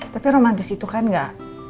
tapi romantis itu kan gak